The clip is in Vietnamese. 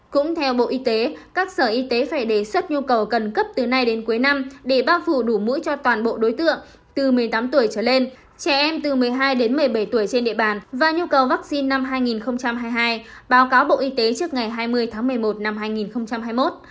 cũng theo bộ y tế các sở y tế phải đề xuất nhu cầu cần cấp từ nay đến cuối năm để bao phủ đủ mũi cho toàn bộ đối tượng từ một mươi tám tuổi trở lên trẻ em từ một mươi hai đến một mươi bảy tuổi trên địa bàn và nhu cầu vaccine năm hai nghìn hai mươi hai báo cáo bộ y tế trước ngày hai mươi tháng một mươi một năm hai nghìn hai mươi một